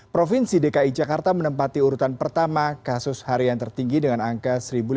provinsi dki jakarta menempati urutan pertama kasus harian tertinggi dengan angka satu lima ratus